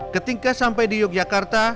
ketika sampai di yogyakarta